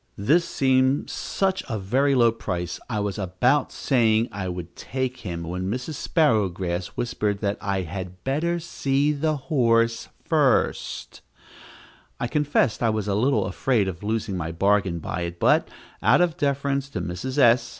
This seemed such a very low price, I was about saying I would take him, when Mrs. Sparrowgrass whispered that I had better see the horse first. I confess I was a little afraid of losing my bargain by it, but, out of deference to Mrs. S.